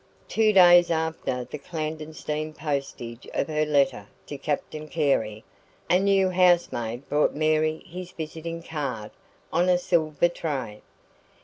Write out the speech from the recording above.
Two days after the clandestine postage of her letter to Captain Carey, a new housemaid brought Mary his visiting card on a silver tray.